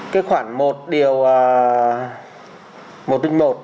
khoản một điều